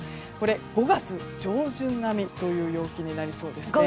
これは５月上旬並みという陽気になりそうです。